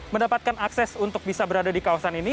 mendapatkan akses untuk bisa berada di kawasan ini